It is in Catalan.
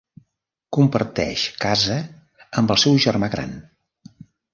Comparteix casa amb el seu germà gran.